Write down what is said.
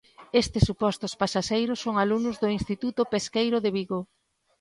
Estes supostos pasaxeiros son alumnos do Instituto Pesqueiro de Vigo.